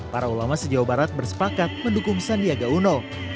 para ulama sejauh barat bersepakat mendukung sandiaga uno